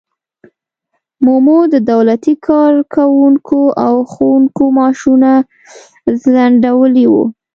مومو د دولتي کارکوونکو او ښوونکو معاشونه ځنډولي وو.